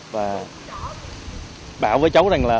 và bảo với cháu rằng là